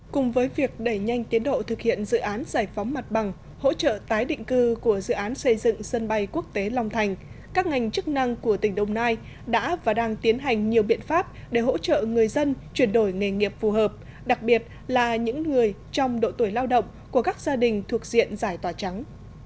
cùng với việc đẩy nhanh tiến độ thực hiện dự án giải phóng mặt bằng hỗ trợ tái định cư của dự án xây dựng sân bay quốc tế long thành các ngành chức năng của tỉnh đồng nai đã và đang tiến hành nhiều biện pháp để hỗ trợ người dân chuyển đổi nghề nghiệp phù hợp đặc biệt là những người trong độ tuổi lao động của các gia đình thuộc diện giải tòa trắng